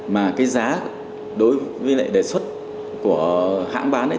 mà cái giá đối với lại đề xuất của hãng bán